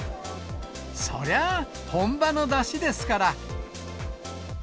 そりゃあ本場のだしですから。